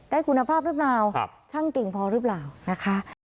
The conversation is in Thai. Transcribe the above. คุณภาพหรือเปล่าช่างเก่งพอหรือเปล่านะคะ